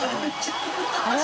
あれ？